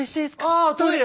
ああトイレ。